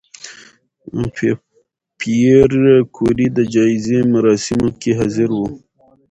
پېیر کوري د جایزې مراسمو کې حاضر و؟